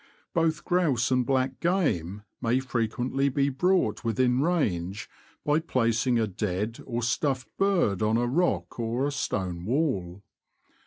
Both grouse and black game may frequently be brought within range by placing a dead or stuifed bird on a rock or a stone wall.